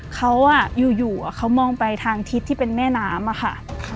เขาอยู่เขามองไปทางทิศที่เป็นแม่น้ำอะค่ะ